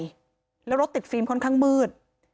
แล้วรถติดฟิล์มค่อนข้างมืด